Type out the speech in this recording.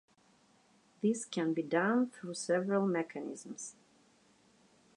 This can be done through several mechanisms.